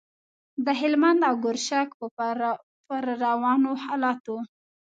د هلمند او ګرشک پر روانو حالاتو.